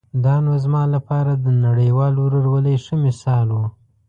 دا نو زما لپاره د نړیوال ورورولۍ ښه مثال و.